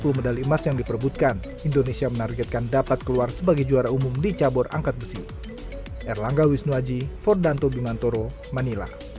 sepuluh medali emas yang diperbutkan indonesia menargetkan dapat keluar sebagai juara umum di cabur angkat besi